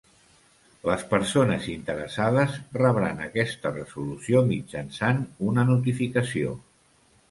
Les persones interessades rebran aquesta resolució mitjançant una notificació.